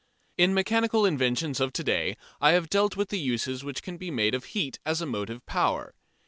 In Mechanical Inventions of To day I have dealt with the uses which can be made of heat as a motive power.